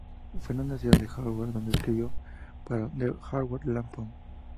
Fue a la Universidad de Harvard, donde escribió para The Harvard Lampoon.